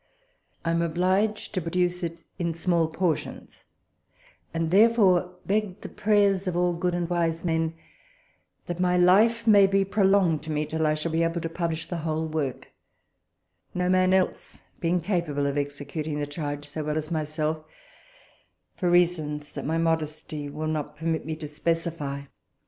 I am obliged to produce it in small portions, and therefore beg the prayers of all good and wise men that my life may be prolonged to me, till I shall be able to publish the whole work, no man else being capable of executing the charge so well as myself, for reasons that my modesty will not permit me to specify.